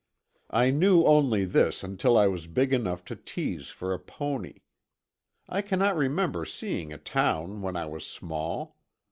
I knew only this until I was big enough to tease for a pony. I cannot remember seeing a town when I was small.